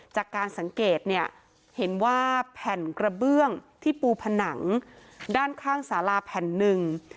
จากการสังเกตเนี่ยเห็นว่าแผ่นกระเบื้องที่ปูผนังด้านข้างสาราแผ่นหนึ่ง